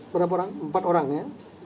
berapa orang empat orang ya